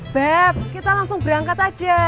bep kita langsung berangkat aja